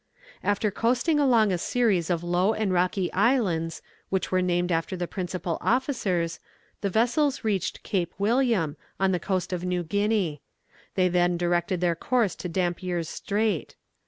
After coasting along a series of low and rocky islands, which were named after the principal officers, the vessels reached Cape William, on the coast of New Guinea. They then directed their course to Dampier's Strait.